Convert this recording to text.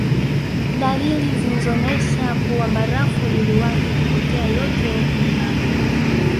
Dalili zinzonesha kuwa barafu iliwahi kupotea yote mlimani